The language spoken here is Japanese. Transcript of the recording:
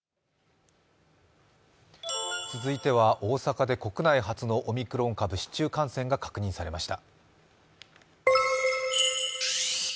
続いては大阪で国内初のオミクロン株市中感染が確認されました。